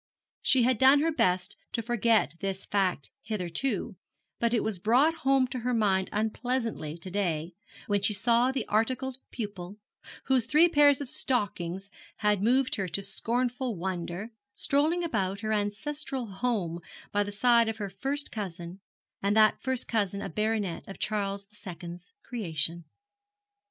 She had done her best to forget this fact hitherto, but it was brought home to her mind unpleasantly to day, when she saw the articled pupil, whose three pairs of stockings had moved her to scornful wonder, strolling about her ancestral home by the side of her first cousin, and that first cousin a baronet of Charles II's creation.